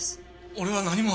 俺は何も。